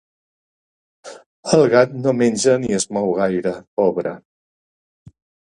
El gat no menja ni es mou gaire, pobre.